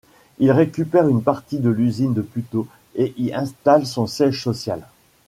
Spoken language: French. Il récupère une partie de l'usine de Puteaux et y installe son siège social.